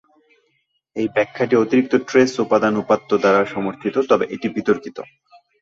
এই ব্যাখ্যাটি অতিরিক্ত ট্রেস উপাদান উপাত্ত দ্বারা সমর্থিত, তবে এটি বিতর্কিত।